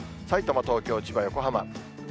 さいたま、東京、千葉、横浜。